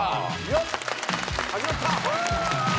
よっ始まった。